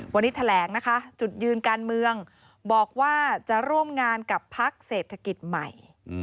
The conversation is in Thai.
วันนี้แถลงนะคะจุดยืนการเมืองบอกว่าจะร่วมงานกับพักเศรษฐกิจใหม่